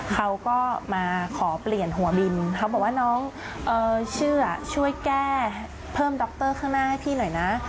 เขาก็มาขอเปลี่ยนหัวบินเขาบอกว่าน้องเชื่อช่วยแก้เพิ่มดรข้างหน้าให้พี่หน่อยนะ